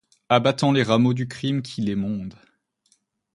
Abattant les rameaux du crime qu’il émonde